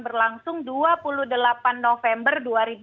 berlangsung dua puluh delapan november